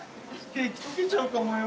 「ケーキとけちゃうかもよ」。